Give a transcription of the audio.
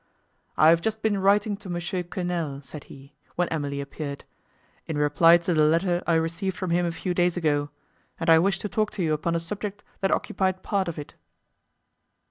"I have just been writing to Mons. Quesnel," said he when Emily appeared, "in reply to the letter I received from him a few days ago, and I wished to talk to you upon a subject that occupied part of it."